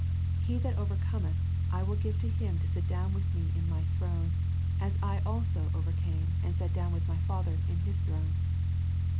" He that overcometh, I will give to him to sit down with Me in My throne, as I also overcame, and sat down with My Father in His throne."